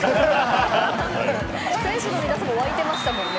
選手の皆さんも沸いてましたもんね。